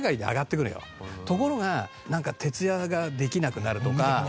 ところがなんか徹夜ができなくなるとか。